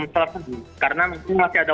selesai karena masih ada